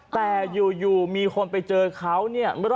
แต่อยู่มีคนไปเจอเขาเนี่ย